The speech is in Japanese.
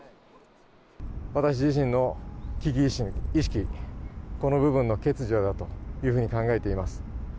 私自身の危機意識、この部分の欠如だというふうに考えています。